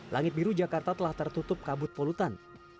langit biru jakarta telah tertutup kabut polutan